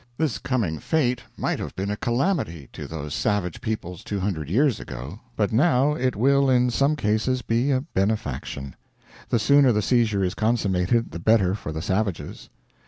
This coming fate might have been a calamity to those savage peoples two hundred years ago; but now it will in some cases be a benefaction. The sooner the seizure is consummated, the better for the savages.